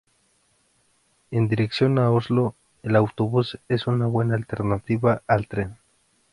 En dirección a Oslo, el autobús es una buena alternativa al tren.